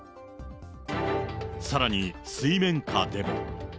さらに水面下でも。